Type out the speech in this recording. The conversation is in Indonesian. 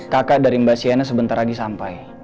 kakak dari mbak siana sebentar lagi sampai